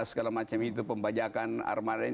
segala macam itu pembajakan armada